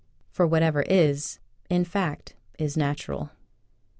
For whatever is, in fact, is natural.